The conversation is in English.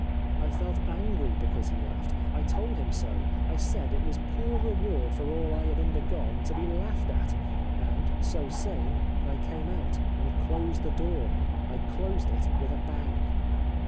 I felt angry because he laughed. I told him so. I said it was poor reward for all I had undergone to be laughed at, and, so saying, I came out, and closed the door — ^I closed it with a bang.